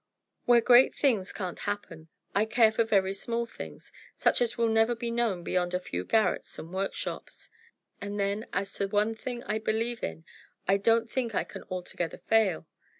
Where great things can't happen, I care for very small things, such as will never be known beyond a few garrets and workshops. And then, as to one thing I believe in, I don't think I can altogether fail.